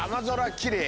きれい？